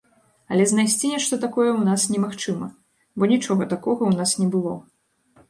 Але знайсці нешта такое ў нас немагчыма, бо нічога такога ў нас не было.